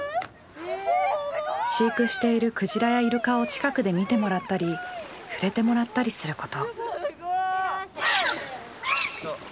えすごい！飼育しているクジラやイルカを近くで見てもらったり触れてもらったりすること。